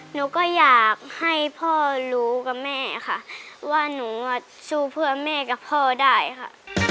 หนูก็อยากให้พ่อรู้กับแม่ค่ะว่าหนูสู้เพื่อแม่กับพ่อได้ค่ะ